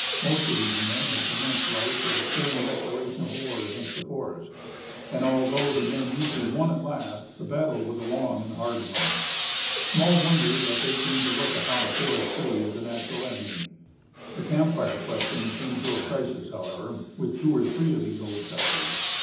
Most of these men had commenced life with a stern declaration of war against the forest; and, although the men usually won at last, the battle was a long and hard one. Small wonder that they came to look upon a forest tree as a natural enemy. The camp fire question came to a crisis, however, with two or three of these old settlers.